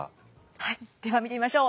はいでは見てみましょう。